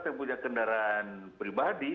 yang punya kendaraan pribadi